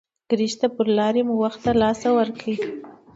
ګرشک ته پر لاره مو وخت له لاسه ورکړی.